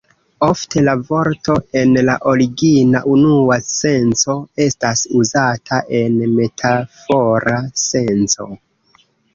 Ofte la vorto en la origina, unua senco estas uzata en metafora senco.